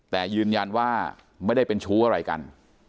แต่ยืนยันว่าไม่ได้เป็นชู้อะไรกัน